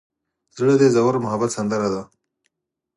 زړه د ژور محبت سندره ده.